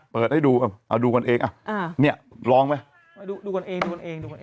เปิดให้ดูเอาดูกันเองอ่ะอ่าเนี่ยลองไหมดูดูกันเองดูกันเอง